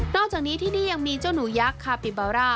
อกจากนี้ที่นี่ยังมีเจ้าหนูยักษ์คาปิบาร่า